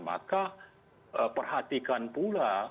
maka perhatikan pula